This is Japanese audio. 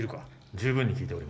十分に効いております。